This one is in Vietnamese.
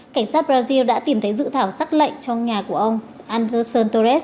cảnh sát brazil đã tìm thấy dự thảo sắc lệnh trong nhà của ông anderson torres